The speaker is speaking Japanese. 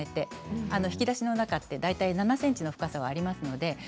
引き出しの中って大体７ｃｍの深さがあります。